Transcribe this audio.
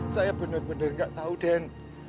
saya bener bener gak tahu den